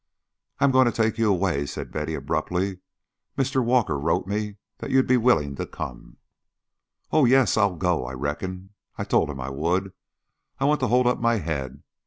"I am going to take you away," said Betty, abruptly. "Mr. Walker wrote me that you'd be willing to come." "Oh, yes, I'll go, I reckon. I told him I would. I want to hold up my head.